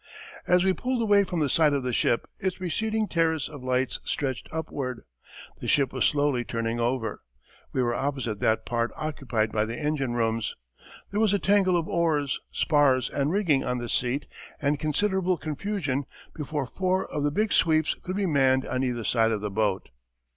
As we pulled away from the side of the ship its receding terrace of lights stretched upward. The ship was slowly turning over. We were opposite that part occupied by the engine rooms. There was a tangle of oars, spars and rigging on the seat and considerable confusion before four of the big sweeps could be manned on either side of the boat.